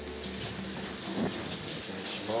失礼します。